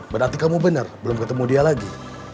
berarti kamu benar belum ketemu dia lagi